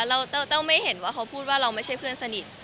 แล้วแต้วไม่เห็นว่าเขาพูดว่าเราไม่ใช่เพื่อนสนิท